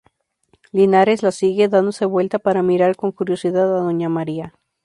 Linares la sigue, dándose vuelta para mirar con curiosidad a doña María.